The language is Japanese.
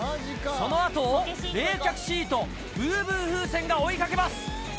そのあとを冷却シート、ブーブー風船が追いかけます。